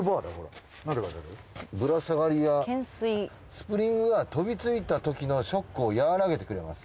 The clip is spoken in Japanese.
スプリングは飛びついたときのショックを和らげてくれます。